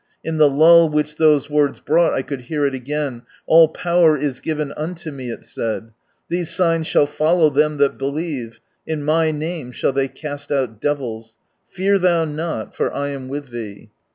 In the lull which those words brought, I could hear it again. " All power is given nnlo Me," it said. " These signs shall follow Ihem IhiU believe: in My Name shall they east out devils. Fear Ihou not, for I am with thf.e!"